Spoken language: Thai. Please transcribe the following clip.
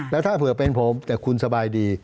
แล้วถ้าเผื่อเป็นผมแต่คุณสบายดี